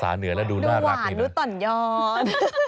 อาจารย์ดูหวานดูต่อนยอด